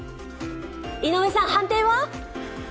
井上さん、判定は？